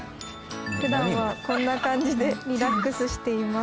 「ふだんはこんな感じでリラックスしています」